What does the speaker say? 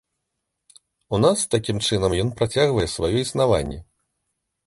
У нас такім чынам ён працягвае сваё існаванне.